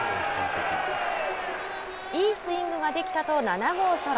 いいスイングができたと７号ソロ。